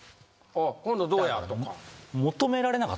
「今野どうや？」とか。